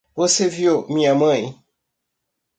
Você viu minha mãe?